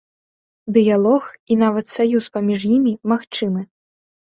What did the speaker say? Дыялог і нават саюз паміж імі магчымы.